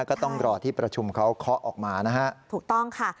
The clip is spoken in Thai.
ก็ต้องรอที่ประชุมเขาเคาะออกมานะฮะถูกต้องค่ะ